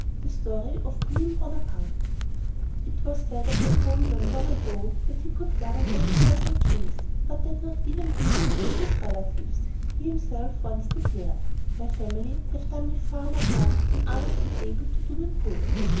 THE STORY OF PAULINE BONAPARTE It was said of Napoleon long ago that he could govern emperors and kings, but that not even he could rule his relatives. He himself once declared: "My family have done me far more harm than I have been able to do them good."